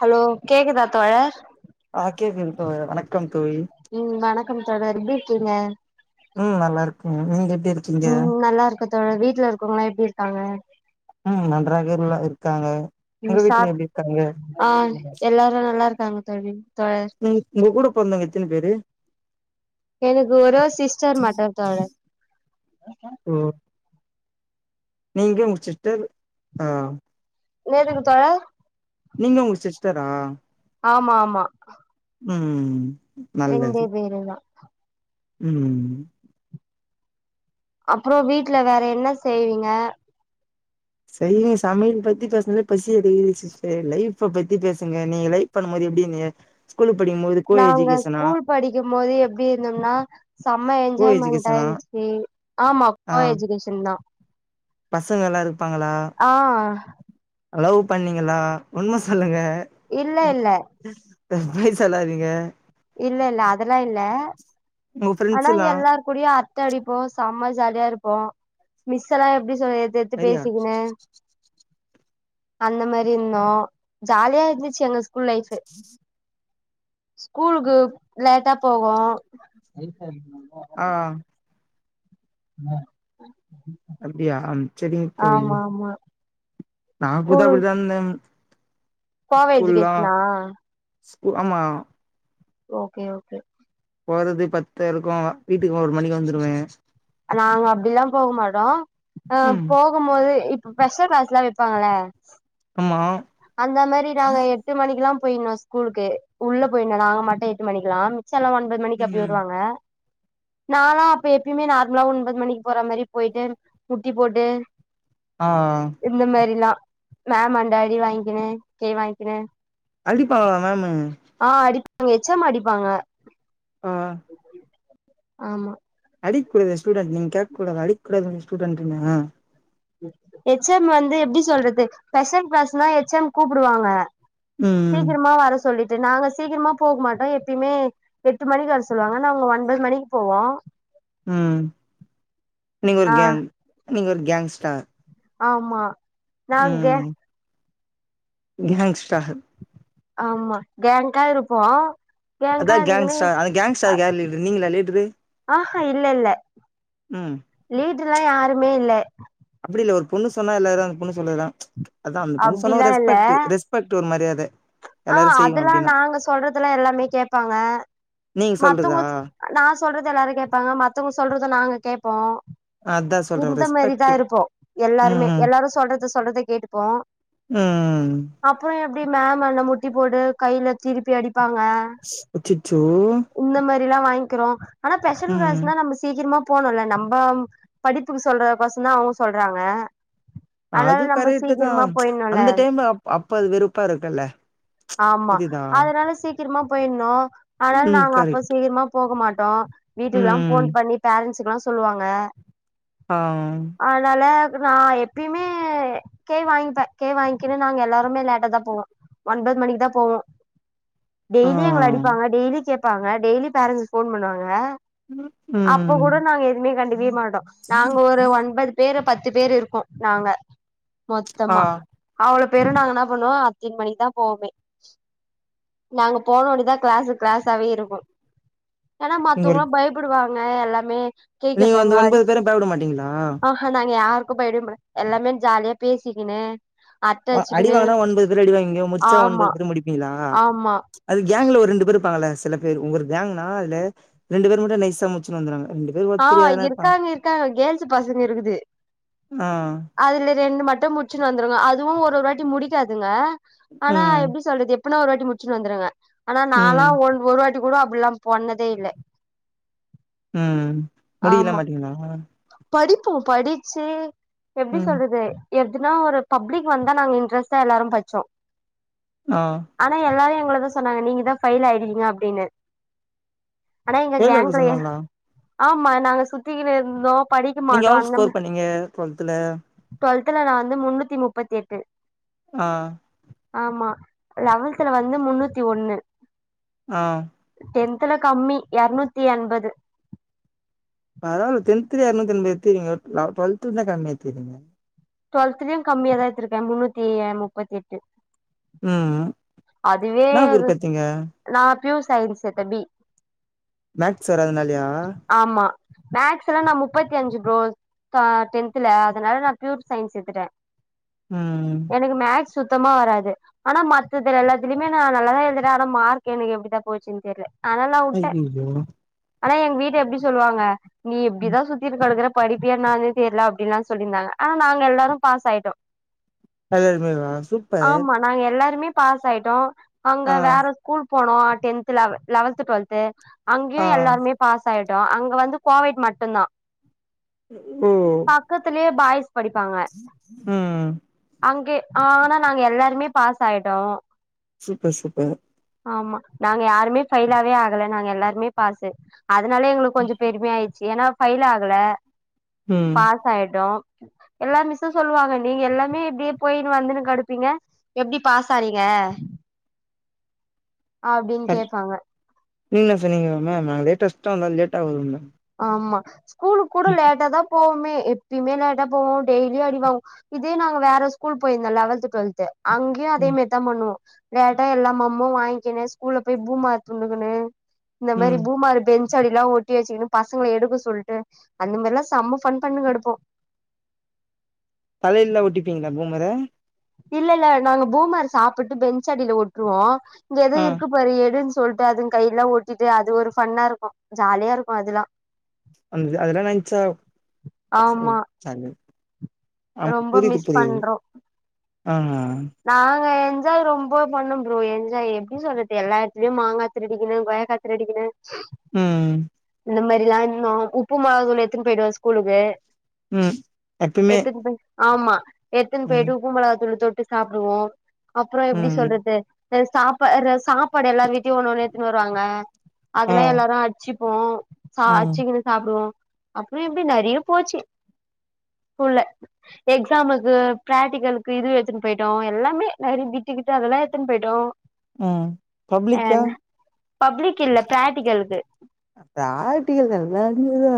Hello கேக்குதா தோழர் ஆ கேக்குது தோழ வணக்கம் தோழி ம் வணக்கம் தோழர் எப்டி இருக்கீங்க ம் நல்லாருக்கங்க நீங்கெப் ம் நல்லா இருக்க தோழர் வீட்ல இருக்கவங்கள்ளா எப்டி இருக்காங்க ம் நன்றாக எல்லா இருக்காங்க உங்க ம் வீட்ல சாப் எப்டி இருக்காங்க ஆ எல்லாரு நல்லார் காங்க தோழி தோழர் ம் உங்க கூட பொறந்தவங்க எத்தன பேரு எனக்கு ஒரோ சிஸ்டர் மட்டுத் தோழர் ஓ நீங்க உங்க சிட்டர் ஆஹ் நேருக்கு தோழா நீங்க உங்க சிஸ்டரா ஆமா ஆமா ம்ஹ் ரெண்டே பேறுதா ம் அப்பறோ வீட்ல வேற என்ன செய்வீங்க சரி சமையல் பத்தி பேசனது பசி எடுக்குது சிஸ்டர் லைஃப் அ பத்தி பேசுங்க நீங்க லைப் பண்ணும்போது எப்டி இந்திங்க நாங்க ஸ்கூல் படிக்கும்போது எப்டி இருந்தோம்னா செம்ம கோ எஜுகேஷனா என்ஜாய்மெண்டாயிருந்துச்சு ஆமா ஆ கோ எஜகேஷன் தான் பசங்க லா இருப்பாங்களா ஆ லவ் பண்ணீங்களா உண்ம சொல்லுங்க இல்ல இல்ல ஹ பொய் சொல்லாதீங்க இல்ல இல்ல அதெல்லா இல்ல உங்க ஃப்ரெண்ட்ஸ் ஆனா எல்லா எல்லார் கூடையு அரட்ட அடிபோம் சம ஜாலியா இருப்போம் மிஸ் எல்லா எப்டி ஏத்து ஏத்து சரியா பேசிகினு அந்த மாரி இருந்தோ ஜாலியா இருந்துச்சு எங்க ஸ் கூல் லைஃப் கூலுக்கு லேட்டா போவோ ஆஹ் உம் அப்டியா செரி முத்து ஆமா நா கூத ஸ்கூல் அப்டிதா இருந்தன் கோவை எஜுகேஷனா ஸ்கு ஆமா ஓகே ஓகே போறது பத்து இருக்கு வீட்டுக்கு ஒரு மணிக்கு வந்துருவே நாங்க அப்டிலா போக மாட்டோ ஆஹ் ம் போகும்போது இப்ப ஸ்பெசல் க்ளாஸ்லா வெப் ப்பாங்கள ஆமா அந்த மாரி நாங்க எட்டு மணிக்குல்லாம் போய்ட்னு ஸ்கூலுக்கு உள்ள போய்ட்னு நாங்க மட்டு எட்டு மண்ணிக்கலா செல்லா ஒன்பது மணிக்கு அப்டி ம் வருவாங்க நாளா அப்ப எப்யுமே நார்மலா ஒன்பது மணி போற மாறி போய்ட்டு உட் டீ போட்டு ஆ இந்த மாரிலா மேம் ஆண்ட அடி வாங்கி கின்னு கே வாங்கிகின்னு அடிப்பாங்களா மேம் அவங்க எச் எம் அடிப்பாங்க ஆ ஆமா அடிக்க கூடாது ஸ்டூெடன் நீங் கேக்க கூடாதா அடிக் கூடாதுனுச் ஸ்டூடெண்டுன்னு எச் எம் வந்து எப்டி சொல்றது ஸ்பெஷல் கிளாஸ்னா எச் எம் கூப்புடுவாங்க ம் சீக்கிரமா வர சொல்லிட் டு நாங்க சீக்கிரமா போகமாட்டோ எப்பயுமே எ எட்டு மணிக்கு வர சொல்லுவாங்கன்னா நாங்க ஒன்பது மணிக்கு போவோ உம் நீங்க ஒரு ஆ கேங்க் நீங்க ஒரு கேங்ஸ்டார் ஆமா நாங்க கேங்ஸ்டர் ஆமா கேங்க்கா இருப்போ அதா கேங்கா இருந்துக்குனு கேங்க்ஸ்டார் அந்த கேங்க்ஸ்டார்கு யார் லீடரு நீங்களா லீடர் கா இல்ல இல்ல உம் டர்லா யாருமே இல்ல அப்டி இல்ல ஒரு பொண்ணு சொன்னா எல்லயாரு அந்த பொண்ணு சொல்றதுதா அத அந்த பொண்ணு சொன்ன அப்டிலா இல்ல ரெஸ்பெ்க்ட ரெஸ்பெக்ட் ஒரு மாரியா ஆ அதெல்லாம் நாங்க சொல்றதுெல்லாம் எல்லாமே கேட்பாங்க நீங்க சொல்றதா மத்தவங்க நான் சொல்றது எல்லாரும் கேட்பாங்க மத்தவங்க சொல்றது நாங்க கேப்போம் அதா சொல்றே ஒரு இந்த ரெஸ்பெக்ட் மாதிரிதான் இருப்போம் ம் எல்லாருமே ம் எல்லாரும் சொல்றத சொல்றத கேட்டுப்போம் ம் அப்புறம் எ மேம் அண்ண முட்டி போட்டு கையில திருப்பி அடிப்ப அச்சிச்சோ ல்லாம் வாங்கிறோம் ஆனா பெஷல் கிளாஸ் நம்ம சீக்கிரமா போணும்ல நம்ம படிப்புக்கு சொல்றதுக்கோசற தான் அவங்க சொல்றாங்க அது அதனால நம்ம கரெக்ட்டு தான் சீக்கிரமா போயிட்ணுல அந்த டைம் அ அப்ப அது வெறும் ஆமா அதனால சீக்கிரமா போயிடணும் ஆனால ம் நாங் அப்ப கரெக்ட் சீக்கிரமா போக மாட்டோம் வீட்டுக்குல்லாம் ம் ஃபோன் பண்ணி பேரண்ட்ஸ் ல்லாம் சொல்லுவாங்க ஆ அதனால நான் எப்பயுமே கே வாங்கிப்பேன் கே வாங்கிக்கனு நாங்க எல்லாருமே லேட்ட தான் போம் ஒன்பது மணிக்கு தான் போவோம் ஆ டெய்லி எங்க அடிப்பாங்க டெய்லி கேப் இருப்பாங்க டெய்லி பேரண்டஸ் ஃபோன் பண்ணுவாங்க அப்போ ம் கூட நான் எதுவுமே கண்டுக [unintelligible] நாங்க ஒரு ஒன்பது பேர் பத்து பேர் இருக்கோம். நாங்க ஆ மொத்தமா. அவ்ளோ [unintelligible] என்ன பண்ணுவோம் [unintelligible] மணி தா போவோமே. நாங்க போனோன்னதா கிளாஸு கிளாஸாவே இருக்கும். ஏன்னா நீங்க ஒரு மத்தவங்கல்லம் பயப்படுவாங்க. ம் எல்லாமே கே நீங்க கேப்பாங்க வந்து அடி ஒன்பது பேரும் பயபட மாட்டீங்களா பயபடவே மாட் எல்லாமே ஜாலியா பேசிகினு அ-அடிவானா ஒன்பது [inaudible] அடி வாங்கி முடிச்சு ஆமா ஒன்பது பேர் முடிப்பீங்களா, ஆமா அது கேங்கல ஒரு ரெண்டு பேர் இருப்பாங்கல சில பேர் உங்க ஒரு கேங்னா அதுல ரெண்டு பேர் மட்டும் நைசா முச்சுன்னு வந்துருவாங்க ரெண்டு பேர் ஆ ஒருத்தர் யாருனா இருப்பாங்க இருக்காங்க இருக்காங்க கேள்ஸ் பசங்க இருக்குது. ஆ அதுல ரெண்டு மட்டும் முடிச்சுன்னு வந்துருங்க. அது அதுவும் ஒரு ஒரு வாட்டி முடிக்காதுங்க ஆனா ம் எப்டி சொல்றது அப்னா ஒரு வாட்டி முடிச்சின்னு வந்துருங்க. ஆனா நாளா ம் ஒன் ஒரு வாட்டி கூட லா போனதே இல்ல. உம் முடிக்கல மாட்டீங்களா படிப்போம் படிச்சு எப்டி ம் சொல்றது எதுனா ஒரு பப்ளிக் வந்தா நாங்க இன்ட்ரெஸ்ட்டா எல்லாரும் படிச்சோ ஆ ஆனா எல்லாரையு போல தா சொன்னாங்க நீங்க தா ஃபெயில் ஆயிடுவிங்க அப்டின்னு ஆனா எங்க ஃபெயில் ஆக கேங்க்லையே சொன்னாங்களா ஆமா நாங்க சுத்திகினு இருந்தோம். நீங்க எவ்வளவு ஸ்கோர் பண்ணீங்க, டுவெல்துல த்துல நா வந்து முன்னூத்தி முப்பத்து எட்டு. ஆ ஆமா லெவல்துல வந்து முன்னூத்தி ஒண்ணு ஆ டென்துல கம்மி எரநூத்தி எண்பது பரவால்ல டென்த்ல எரநூத்தி எண்பது எடுதீர்கிங்க டுவெல்துல கம்மியா எடுத்திறிங்க டுவெல்தலயு கம்மியாதா எடுத்திருக்கே முன்னூத்தி முப்பத்தி எட்டு உம் அதுவே அது நா பியூர்சைன்ஸ் எடுத்தே பி மேக்ஸ் வராதுனாலயா ஆமா மேக்ஸ் எல்லா நம்மக் முப்பத்தி அஞ்சு ப்ரோ ஆ டென்த்ல அதனால நா பியூர் சயின்ஸ் எத்துட்டே உம் சுத்தமா வராது ஆனா மத் எல்லாத்துலேயுமே நா நல்லா தா எழுதினே ஆனா மார்க் எனக் எப்படிதா போச்சுன்னு தெரில ஐயோயோ அதா எங் வீடு எப்டி சொல்லுவாங்க நீ இப்டிதா சுத்திட்டு கடக்குற படிப்பியானாலே தெரில அப்டின்ல்லா சொல்லிருந்தாங்க ஆனா நாங்க எல்லாரு பாஸ் ஆயிட்டோ எல்லாருமேவா சூப்பர் ஆமா நாங்க எல்லாருமே பாஸ் ஆயிட்டோ அங்க ஆ வேற ஸ்கூல் போன டென்த் லெவ லெவன்த் டுவெல்து ஆ அங்கேயு எல்லாருமே பாஸ் ஆயிட் அங்க வந்து கோவைட் மட்டும்தா ஓ பக்கத்துலயே பாய்ஸ் படிப்பாங்க ம் அங்கே ஆனா நாங்க எல்லாருமே பாஸ் ஆயிட் ட்டோ சூப்பர் சூப்பர் ஆமா நாங்க யாருமே ஃபைலாவே ஆகல நாங்க எல்லாருமே பாசு அதனாலே எங்களுக் கொஞ்சோ பெருமையா ஆய்ச் ஏனா ஃபயில் ஆகல ம் பாஸ் ஆயிட்டோ எல்லார் மிஸ்சும் சொல்லுவாங்க நீங்க எல்லாமே இப்டியே போயினு வந்துன்னு கடுப்பீங்க எப்டி பாசானிங்க நீங்க என்னா சொன்னீங்க மேம் நாங்க லேட்டஸ்ட் ஸ்டா வந்தா லேட்டா வருவீங்க அம்மா ஸ்கூலுக்கு கூட லேட்டா தா போவமே எப்பயுமே லேட்டா போவோ டெய்லி அடிவா இதே நாங்க வேற ஸ்கூல் போயிருந்தோ லெவன்த் டுவெல்த் அங்கேயு அதே ம் மாரிதா பண்ணுவோ லேட்டா எல்லா மோமோ வாங்கிணு ஸ்கூல்ல போய் பூமர் துண்ணுகிணு இந்த மாரி ம் பூமர் பென் ச் அடிலா ஒட்டி வச்சுகினு பசங்கள எடுக்க சொல்ட்டு அந்த மாறிலா செம்ம ஃபன் பண்ணிட்டு கடப்போ தலைல ஒட்டிப்பீங்களா பூமர இல்லல்ல நாங்க பூமர் சாப்பிட்டு பெஞ்ச் அடில ஒட்டுருவோ இங்க எது ஆ இருக்கு பாரு எடுன்னு சோ சொல்ட்டு அதுங் கைல்லா ஒட்டிட்டு அது ஒரு ஃபன்னா இருக்கு ஜாலியா இருக்கு அதுல்லா அது அதுலா நென்சா ஆமா [unintelligible] ஆ ரொம்ப புரிது மிஸ் புரிது பண்றோ ஆ நாங்க என்ஜாய் ரொம்ப பண்ண ப்ரோ என்ஜாய் எப்டி சொல்றது எல்லா ‌எடத்துலயு மாங்கத்திருடிகுணு கொய்யாக்கா திருடிக்குணு உம் அந்த மாறிலா இன்னு உப்புமா தோல எத்துன்னு போயிடுவ ஸ்கூலுக்கு உம் எப்பமே எத்துன்னு போய் ஆமா எடுத்துனு போய்ட்டு உப்பு மொளகாத்தூள் தொ சாப்டுவோ அப்றோ எப்டி ம் சொல்றது சரி சாப்பா ர சாப்பாடு எல்லார் வீட்லயு ஒன்னு ஒன்னு எடுத்துன்னு வருவாங்க ஆ அதெல்லா எல்லாரு அடிச்சி இப்போ ச ம் அடிச்சுக்குனு சாப்டுவோ அப்படி இப்படி நெறய போச்சு ஸ்கூல்ல எக்ஸாமுக்கு பிராக்டிகலுக்கு இது எத்துனு போய்ட்டோ எல்லாமே நெறய பிட்டுக்கிட்டு அதெல்லா எத்தன்னு போயிட்டோ உம் அ பப்ளிக்கா பப்ளிக் இல்ல பிராக்டிகலுக்கு ப்ராக்ட்டிகல் எல்லாருமே தா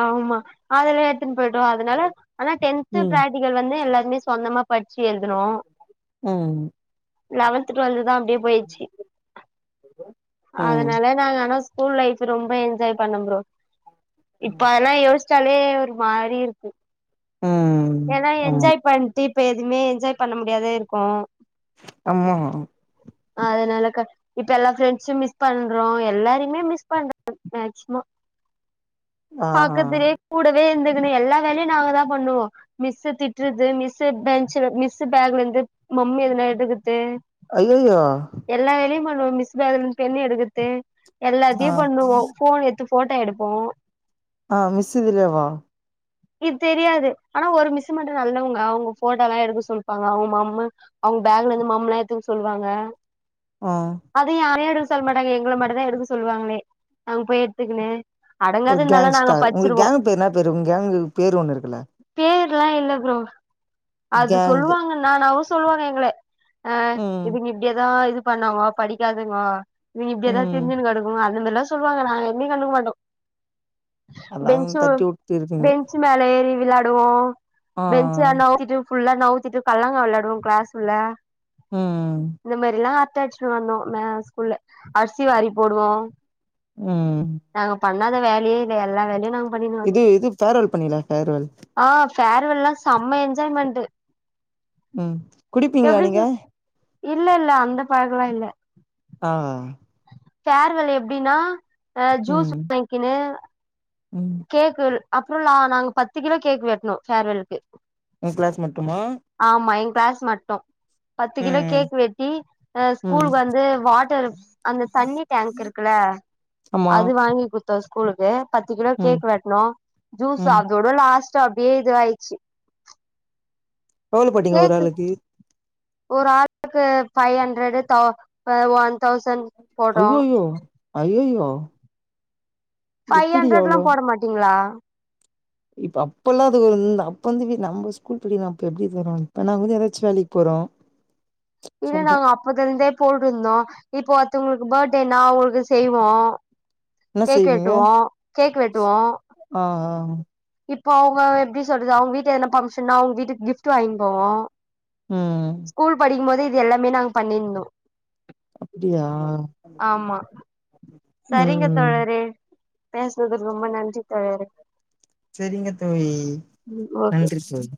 ஆமா அது ல எடுத்துன்போய்ட்டோ அதனால ஆனா டென்த் ம் பிராக்டிகல் வந்து எல்லா மே சொந்தமாப் படிச்சி எழுதுனோ ம் லெவன்த் டுவல் தா அப்டியே போய்ச்சு ம் அதனால நாங்க ஆனா ஸ்கூல் லைஃப் ரொம்ப என்ஜாய் பண்ண ப்ரோ இப்ப ஆனா யோஸ்ச்சாலே தே ஒரு மாரி இருக்கு. ம் ஏன்னா ஆமா என்ஜாய் பண்டிப் இப்ப எதுமே என்ஜாய் பண்ண முடியாது இருக்கு அம்மா அதனால க இப்ப எல்லா ஃப்ரெண்ட்சு மிஸ் பண்றோ எல்லாரையுமே மிஸ் பண்றோ மேக்சிமோ ஆ பாக்கதுலே கூடவே இந்து துமே எல்லா வேலையு நாங்க தா பண்ணுவோ மிஸ்சு திட்ருது மிஸ்சு பெஞ்சு அ மிஸ் பேக்ல இருந்து மம்மு எதுனா எடுக் து ஐயையோ எல்லா வேலையு பண் மிஸ் பேக்லருந்து ண்ணி எடுகறது ஆ எல்லாத்தையு பண்ணுவோ போன் எடுத்து போட்டோ எடுப்போ ஆஹ் மிஸ்சுகளே வா இத் தெரியாது ஆனா ஒரு மிஸ்சு மட்டு நல்லவங்க அவுங்க போட்டோலா எடுக்க சொல்வாங்க அவங்க மம்மு அவுங்க பேக்ல இருந்து மம்ல எதுங் சொல்வாங்க ஆ அது யாரையோ எடுக் சொல் மாட்டாங்க எங்கள மட்டு தா எடுக்க சொல்வாங்களே அங் போய் எடுத்துக்குனு அடங் ஒரு கேங்ஸ்டார் உங்க கேங்க் பேரு என்னா பேரு உங்க கேங்க் பேரு ஒண்ணு இருக்குமே தில்லா இல்ல ப்ரோ அது கேங்கு சொல்வாங்க நா நவஸ் சொல்வாங்க எங்களே ஆஹ் ம் இதுங் இப்டியேதா இது பண்ணவோ படிக்காதுங்கோ இதுங்க இப்டியே தா ம் திரிஞ்சுனு கெடக்குங்க அதுமில்ல சொல்வாங்க நாங்க இன்னி கண்டுக்மாட்டோ அதெல்லா பெஞ்சு தட்டி வுட்டு இருக்கீங்க பெஞ்சு மேல ஏறி விளாட் ஓ ஆ பெஞ்ச்ச நவுத்திட்டு ஃபுல்லா நவுத்திட்டு கல்லங்கா விளாடுவோ கிளாஸ்குள்ள ம் இந்த மேரில்லா [unintelligible] வங்னோ மே ஸ்கூல்ல அர்சி வாரி போடுவோ உம் னாத வேல யே இல்ல எல்லா வேலையு நாங் இது இது ஃபேர்வல் பண்ணிங்லா ஃபேர்வல் ஆ ஃபேர்வெல்லா செம்ம என்ஜாய்மெண்ட்டு உம் குடிப்பீங்களா எப்டி நீங்க சொ இல்ல இல்ல அந்த பழக்கெல்லா இல்ல ஆஹ்ஹ் ஃபேர்வல் எப்டினா ஆ ஜூஸ் ம் வாங்க்கினு ம் கேக் ல் அப்றோலா நாங்க பத்து கிலோ கேக் வெட்ணோம் ஃபேர்வலுக்கு உன் கிளாஸ் மட்டுமா எ கிளாஸ் மட்டும் பத்து கிலோ ம் கேக் வெட்டி ஸ்கூலு ம் வந்து வாட்டர் அந்த தண்ணி டேங்க் இருக்குல ஆமா அது வாங்கி குடுத்தோ ஸ்கூலுக்கு பத்து கிலோ ம் கேக் வெட்ணோ ஜூஸ் ம் அதோட லாஸ்ட் [unintelligible] அப்டியே இதுவாய்ச்சி எவ்ளோ போட்டிங்க ஒரு ஆளுக்கு ஒரு ஆளுக்கு பவ் ஹண்ட்ரடு தொவ் ப ஒன் தௌசண்ட் போட்டோ ஐய்யய்யோ [inaudible] பைவ் எப்டி ஹண்ட்ரட்லா எவ்ளோ போட மாட்டீங்களா இப்ப அப்பல்லா அது வந் அப்போ வந்த் நம்ப ஸ்கூல் பிள்ளைங்க அப்ப எப்டி இது வரு இப்பனாவது எதாச்சு வேலைக்கு போறோ இல்ல சொல்றே நாங்க அப்பத்திருந்தே போய்ட்டுருந்தோ இப்போ ஒருத்தவங்களுக்கு பர்ட்டேனா அவங்களுக்கு செய்வோ என்ன கேக் செய்வீங்க? வெட்டுவோ கேக் வெட்டுவோ ஆ இப்போ அவங்க எப்படி சொல்றது அவங்க வீட்டு என பங்க்ஷன்னா அவங்க வீட்டுக் கிப்ட் கிப்ட் வாங்கிட் போவோ ஆ ம். ஸ்கூல் படிக்கும்போதே இது எல்லாமே நாங்க பண்ணிருந்தோ அப்டியா ஆமா சரிங்க தோழரே பேசுனதுக்கு ரொம்ப நன்றி தோழரே சரிங்க தோழி ம் ஓகே நன்றி தோழி